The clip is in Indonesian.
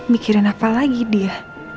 mikirin apa lagi dia